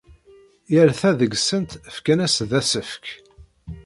Yal ta deg-sent fkan-as-d asefk.